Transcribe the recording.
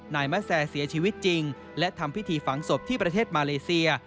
นายมะแซเสียชีวิตจริงและทำพิธีฝังศพที่ประเทศมาเลเซีย